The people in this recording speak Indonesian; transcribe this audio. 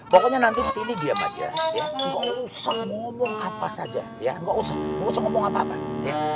pokoknya nanti tilly dia aja ya gak usah ngomong apa saja ya gak usah ngomong apa apa ya